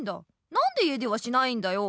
なんで家ではしないんだよ？